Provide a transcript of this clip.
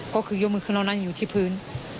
ก็คือยกมือขึ้นเรานั่งอยู่ที่พื้น